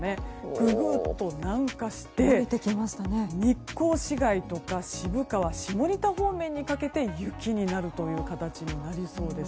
ググっと南下して日光市街とか渋川、下仁田方面にかけて雪になる形になりそうです。